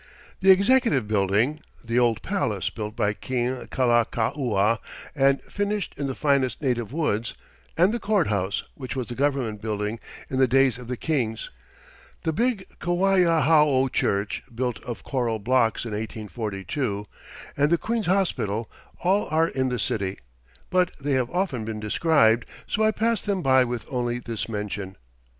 The Executive Building the old palace, built by King Kalakaua and finished in the finest native woods and the Court House, which was the Government Building in the days of the kings; the big Kawaiahao Church, built of coral blocks in 1842, and the Queen's Hospital, all are in the city, but they have often been described, so I pass them by with only this mention.